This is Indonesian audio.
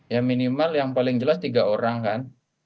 ya minimal yang paling jelas tiga orang kan